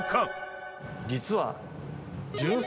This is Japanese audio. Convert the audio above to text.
実は。